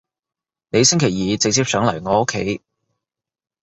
你星期二直接上嚟我屋企